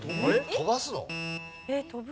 飛ばすの？